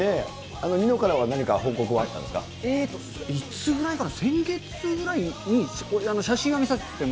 ニノからは何か報告はあったえっと、いつぐらいかな、先月ぐらいに、そう。